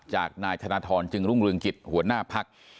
จากนายธนทรจึงรุงรึงกิจหัวหน้าพัก